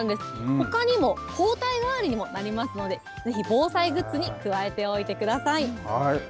ほかにも、包帯代わりにもなりますので、ぜひ防災グッズに加えておいてください。